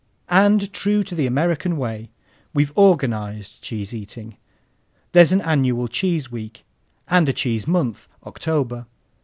And, true to the American way, we've organized cheese eating. There's an annual cheese week, and a cheese month (October).